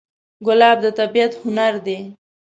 ګلاب د طبیعت هنر دی.